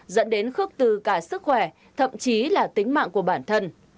dẫn đến khước từ cả sức khỏe thậm chí là tính mạng của bản thân